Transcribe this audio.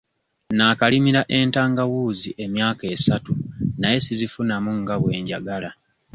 Naakalimira entangawuuzi emyaka esatu naye sizifunamu nga bwe njagala.